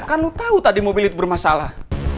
kan lo tau tadi mobil itu bermasalah